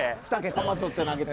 球とって投げて。